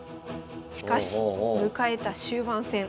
しかし迎えた終盤戦。